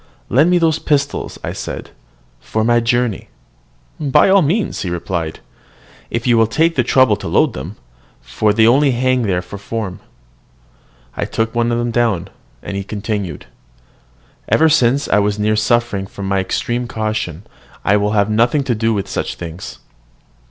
"Lend me those pistols," said I, "for my journey." "By all means," he replied, "if you will take the trouble to load them; for they only hang there for form." I took down one of them; and he continued, "Ever since I was near suffering for my extreme caution, I will have nothing to do with such things."